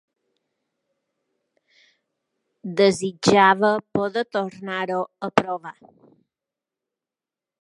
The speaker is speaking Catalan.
Desitjava poder tornar-ho a provar.